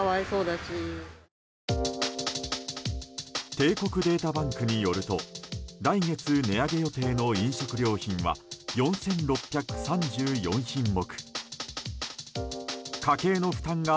帝国データバンクによると来月値上げ予定の飲食料品は４６３４品目。